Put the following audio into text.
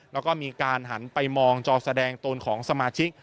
แล้วก็มีการหันไปมองจอแสดงตนของสมาชิก